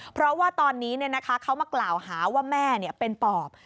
เพราะว่าตอนนี้เขามากล่าวหาว่าแม่เป็นปอบ